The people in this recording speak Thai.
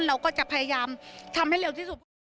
เราก็จะพยายามทำให้เร็วที่สุดก่อน